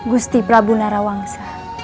busti prabu narawangsa